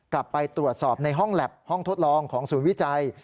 กลับไปตรวจสอบในห้องแล็บห้องทดลองของศูนย์วิจัย